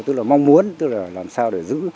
tức là mong muốn tức là làm sao để giữ